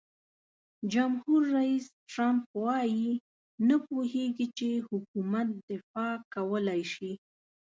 جمهور رئیس ټرمپ وایي نه پوهیږي چې حکومت دفاع کولای شي.